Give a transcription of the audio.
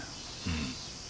うん。